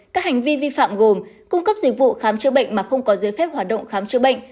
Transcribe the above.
các hành vi vi phạm gồm cung cấp dịch vụ khám chữa bệnh mà không có giới phép hoạt động khám chữa bệnh